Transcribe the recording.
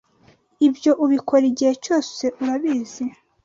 Ibyo ubikora igihe cyose, urabizi.